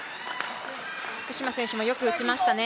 福島選手もよく打ちましたね。